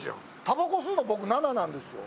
タバコ吸うの僕７なんですよ。